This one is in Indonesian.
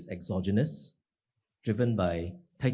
exogenous yang diperlukan oleh